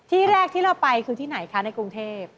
ที่แรกที่เราไปคือที่ไหนคะในกรุงเทพ